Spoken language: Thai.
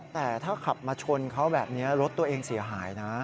แต่ถ้าขับมาชนเขาแบบนี้รถตัวเองเสียหายนะ